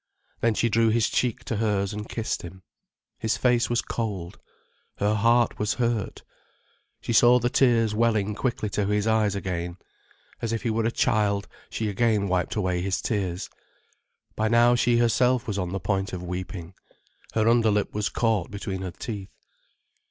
Then she drew his cheek to hers and kissed him. His face was cold. Her heart was hurt. She saw the tears welling quickly to his eyes again. As if he were a child, she again wiped away his tears. By now she herself was on the point of weeping. Her underlip was caught between her teeth.